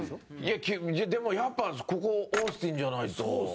でも、やっぱここオースティンじゃないと。